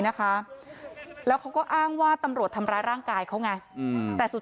นะคะแล้วเขาก็อ้างว่าตำรวจทำร้ายร่างกายเขาไงอืมแต่สุด